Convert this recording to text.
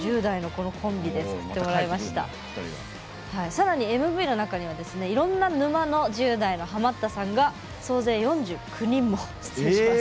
さらにＭＶの中にはいろんな沼の１０代のハマったさんが総勢４９人も出演します。